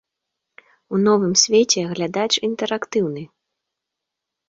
У новым свеце глядач інтэрактыўны.